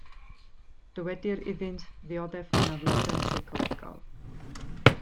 Dywedir iddynt ddioddef anafiadau seicolegol.